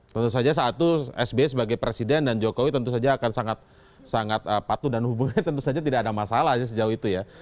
tentu saja saat itu sby sebagai presiden dan jokowi tentu saja akan sangat patuh dan hubungannya tentu saja tidak ada masalah sejauh itu ya